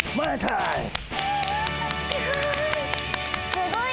すごい！